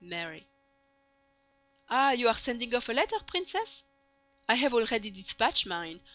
MARY "Ah, you are sending off a letter, Princess? I have already dispatched mine.